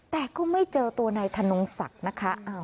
แต่ก็ไม่เจอตัวนายธนงศักดิ์นะคะ